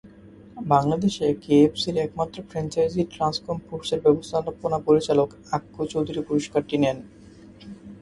বাংলাদেশে কেএফএসির একমাত্র ফ্র্যাঞ্চাইজি ট্রান্সকম ফুডসের ব্যবস্থাপনা পরিচালক আক্কু চৌধুরী পুরস্কারটি নেন।